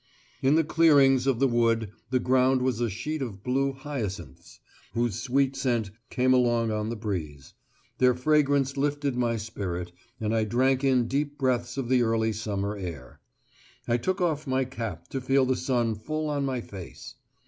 In the clearings of the wood the ground was a sheet of blue hyacinths, whose sweet scent came along on the breeze; their fragrance lifted my spirit, and I drank in deep breaths of the early summer air. I took off my cap to feel the sun full on my face.